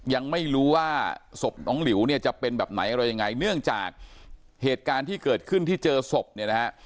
ยังไม่รู้ว่าศพน้องหลิวเนี่ยจะเป็นแบบไหนอะไรยังไงเนื่องจากเหตุการณ์ที่เกิดขึ้นที่เจอศพเนี่ยนะฮะ